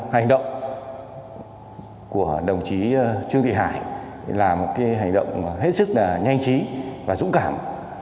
hành động của đồng chí trung thị hải là một hành động hết sức nhanh chí và dũng cảm